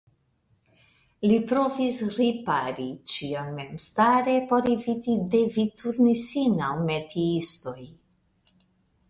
Li provis ripari ĉion memstare por eviti devi turni sin al metiistoj.